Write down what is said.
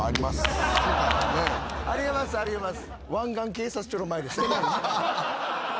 あり得ますあり得ます。